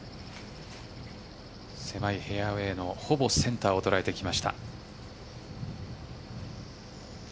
狭いフェアウェイのほぼセンターを捉えてきました。